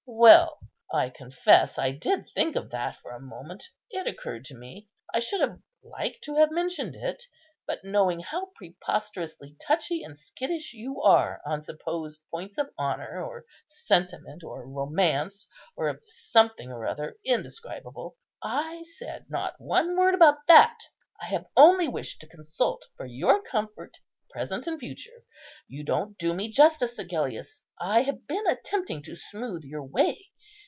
Well, I confess I did think of that for a moment, it occurred to me; I should have liked to have mentioned it, but knowing how preposterously touchy and skittish you are on supposed points of honour, or sentiment, or romance, or of something or other indescribable, I said not one word about that. I have only wished to consult for your comfort, present and future. You don't do me justice, Agellius. I have been attempting to smooth your way.